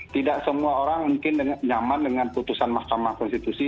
tidak semua orang mungkin nyaman dengan putusan mahkamah konstitusi